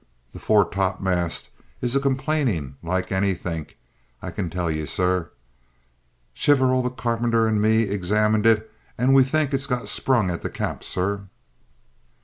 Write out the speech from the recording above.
The fore topmast is a complainin' like anythink, I can tell ye, sir. Chirvell, the carpenter, and me's examinin' it and we thinks it's got sprung at the cap, sir."